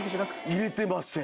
入れてません。